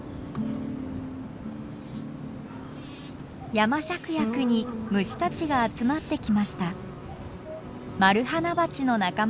ヤマシャクヤクに虫たちが集まってきました。